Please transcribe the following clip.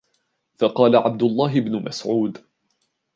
فَقَالَ عَبْدُ اللَّهِ بْنُ مَسْعُودٍ